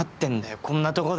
こんなとこで。